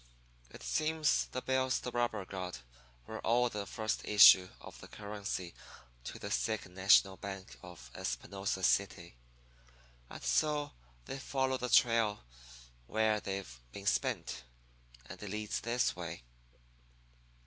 It seems the bills the robber got were all the first issue of currency to the Second National Bank of Espinosa City. And so they've followed the trail where they've been spent, and it leads this way.'